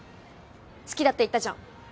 好きだって言ったじゃん！